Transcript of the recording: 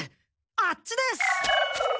あっちです。